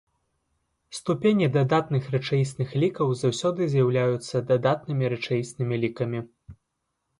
Ступені дадатных рэчаісных лікаў заўсёды з'яўляецца дадатнымі рэчаіснымі лікамі.